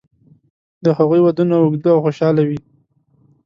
د هغوی ودونه اوږده او خوشاله وي.